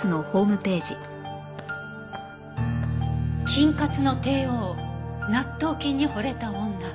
「菌活の帝王納豆菌に惚れた女」